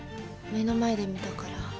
目の前で見たから。